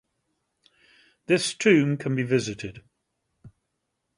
This tomb can be visited.